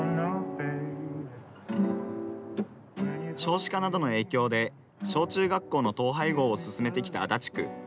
少子化などの影響で小中学校の統廃合を進めてきた足立区。